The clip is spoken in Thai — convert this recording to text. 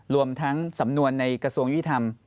รวมทั้งสำนวนในกระทรวงยุติธรรม